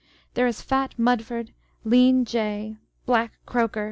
There is fat M[udford?], lean J , black C[roker?